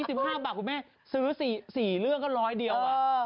สื้อ๔เรื่องก็๑๐๐เดียว